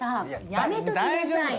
やめときなさいよ。